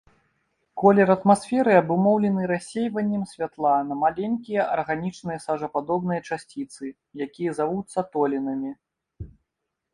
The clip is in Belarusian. Колер атмасферы абумоўлены рассейваннем святла на маленькія арганічныя сажападобныя часціны, якія завуцца толінамі.